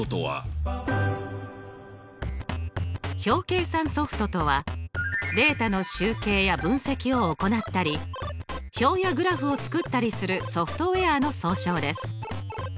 表計算ソフトとはデータの集計や分析を行ったり表やグラフを作ったりするソフトウエアの総称です。